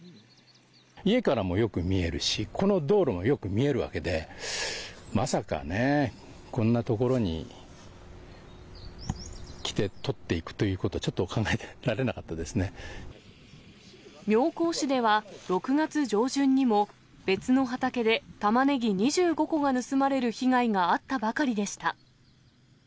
家からもよく見えるし、この道路もよく見えるわけで、まさかね、こんな所に来て、取っていくということは、ちょっと考えられなか妙高市では、６月上旬にも別の畑でタマネギ２５個が盗まれる被害があったばかりでした。